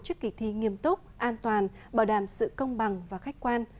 chức kỳ thi nghiêm túc an toàn bảo đảm sự công bằng và khách quan